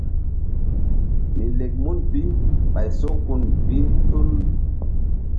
Mi lek mun bi ɓay so gun bi tul.